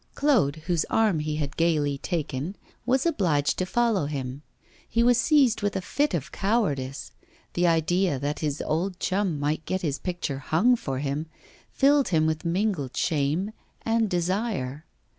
Claude, whose arm he had gaily taken, was obliged to follow him. He was seized with a fit of cowardice; the idea that his old chum might get his picture 'hung' for him filled him with mingled shame and desire.